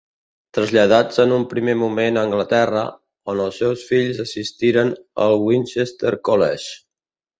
Traslladats en un primer moment a Anglaterra, on els seus fills assistiren al Winchester College.